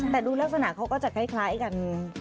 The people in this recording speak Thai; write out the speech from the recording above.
แต่ดูลักษณะเขาก็จะคล้ายกัน